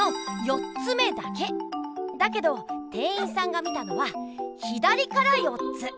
だけど店員さんが見たのは「ひだりから４つ」。